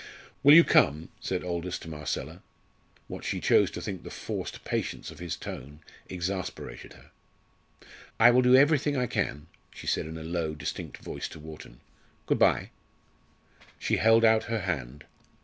"Will you come?" said Aldous to Marcella. What she chose to think the forced patience of his tone exasperated her. "I will do everything I can," she said in a low, distinct voice to Wharton. "Good bye." She held out her hand.